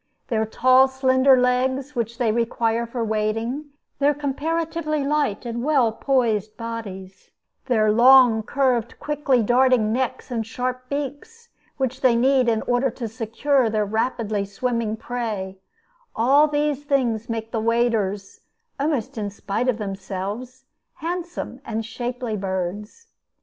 Their tall, slender legs, which they require for wading, their comparatively light and well poised bodies, their long, curved, quickly darting necks and sharp beaks, which they need in order to secure their rapid swimming prey, all these things make the waders, almost in spite of themselves, handsome and shapely birds.